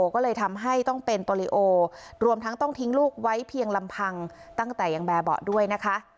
ก็เลยทำให้ต้องเป็นโปรลิโอรวมทั้งต้องทิ้งลูกไว้เพียงลำพังตั้งแต่ยังแบบเบาะด้วยนะคะ